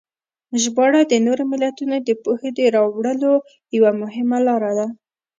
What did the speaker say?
ژباړه د نورو ملتونو د پوهې د راوړلو یوه مهمه لاره ده.